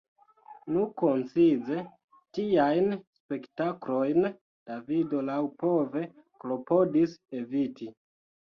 Nu koncize, tiajn spektaklojn Davido laŭpove klopodis eviti.